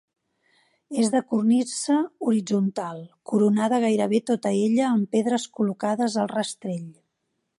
És de cornisa horitzontal coronada gairebé tota ella, amb pedres col·locades al rastell.